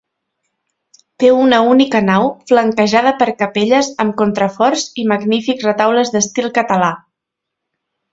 Té una única nau, flanquejada per capelles amb contraforts i magnífics retaules d'estil català.